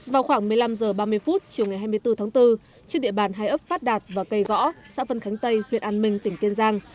vào khoảng một mươi năm h ba mươi chiều ngày hai mươi bốn tháng bốn trên địa bàn hai ấp phát đạt và cây gõ xã vân khánh tây huyện an minh tỉnh kiên giang